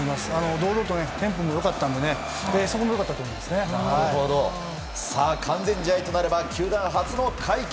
堂々と、テンポも良かったので完全試合となれば球団初の快挙。